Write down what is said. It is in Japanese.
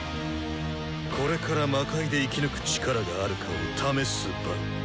これから魔界で生き抜く力があるかを試す場！